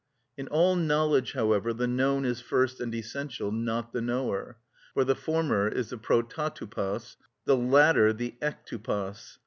(31) In all knowledge, however, the known is first and essential, not the knower; for the former is the πρωτοτυπος, the latter the εκτυπος.